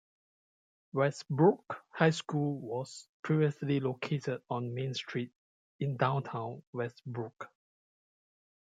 Westbrook High School was previously located on Main Street in downtown Westbrook.